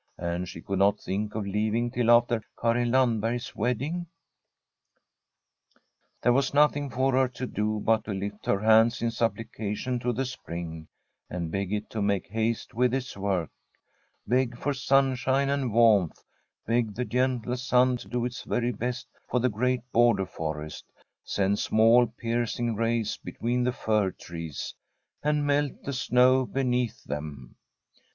And she could not think of leaving till after Karin Land berg's wedding. There was nothing for her to do but to lift her hands in supplication to the spring, and beg it to make haste with its work, beg for sunshine and warmth, beg the gentle sun to do its very best for the great border forest, send small piercing rays between the fir trees, and melt the snow be neath them.